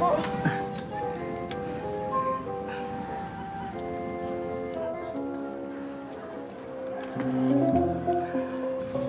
kamu kenapa lena